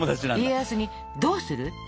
家康に「どうする？